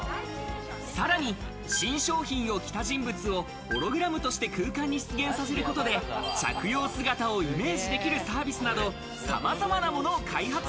さらに新商品を着た人物をホログラムとして空間に出現させることで着用姿をイメージできるサービスなど、様々なものを開発。